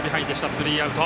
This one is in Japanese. スリーアウト。